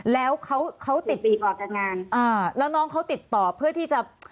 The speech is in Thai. แล้วเขาติดต่อแล้วน้องเขาติดต่อเพื่อที่จะ